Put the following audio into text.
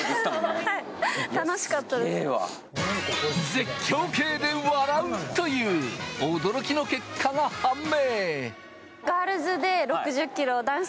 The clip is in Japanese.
絶叫系で笑うという驚きの結果が判明！